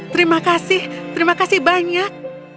terima kasih terima kasih banyak